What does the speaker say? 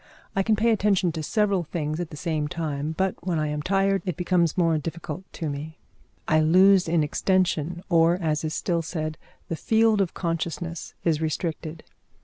I can pay attention to several things at the same time, but when I am tired it becomes more difficult to me. I lose in extension, or, as is still said, the field of consciousness is restricted.